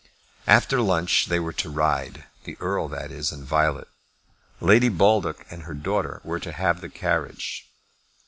After lunch they were to ride; the Earl, that is, and Violet. Lady Baldock and her daughter were to have the carriage.